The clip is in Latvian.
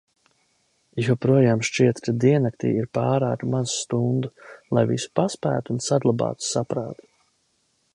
Joprojām šķiet, ka diennaktī ir pārāk maz stundu, lai visu paspētu un saglabātu saprātu.